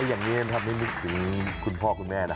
เอ้ยอย่างนี้มันทำให้ยินถึงคุณพ่อคุณแม่นะ